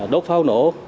đốt pháo nổ